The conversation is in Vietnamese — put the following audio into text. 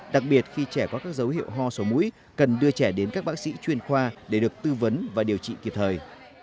đặc biệt khi trẻ có các dấu hiệu ho sổ mũi cần đưa trẻ đến các bác sĩ chuyên khoa để được tư vấn và điều trị kịp thời